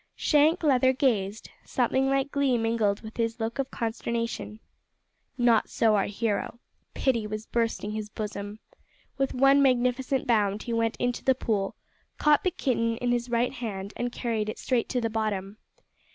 Shank Leather gazed something like glee mingled with his look of consternation. Not so our hero. Pity was bursting his bosom. With one magnificent bound he went into the pool, caught the kitten in his right hand, and carried it straight to the bottom.